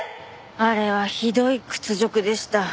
あれはひどい屈辱でした。